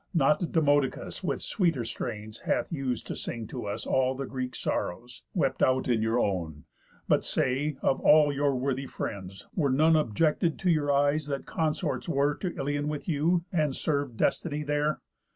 Not Demodocus With sweeter strains hath us'd to sing to us All the Greek sorrows, wept out in your own. But say: Of all your worthy friends, were none Objected to your eyes that consorts were To Ilion with you, and serv'd destiny there?